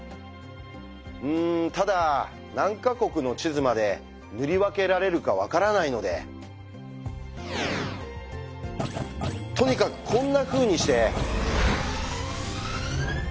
うんただ何か国の地図まで塗り分けられるか分からないのでとにかくこんなふうにして。